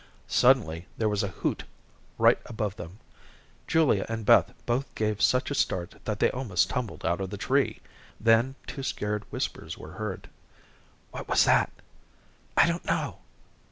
Suddenly, there was a hoot right above them. Julia and Beth both gave such a start that they almost tumbled out of the tree. Then two scared whispers were heard: "What was that?" "I don't know."